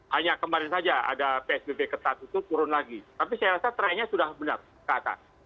hanya kemarin saja ada psbb ketat itu turun lagi tapi saya rasa trennya sudah benar ke atas